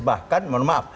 bahkan mohon maaf